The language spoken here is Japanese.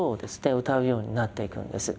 うたうようになっていくんです。